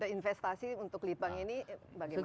investasi untuk lead bank ini bagaimana